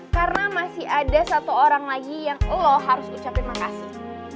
karena masih ada satu orang lagi yang lo harus ucapin makasih